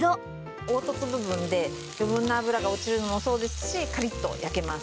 凹凸部分で余分な脂が落ちるのもそうですしカリッと焼けます。